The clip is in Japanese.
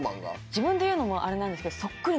自分で言うのもあれなんですけど。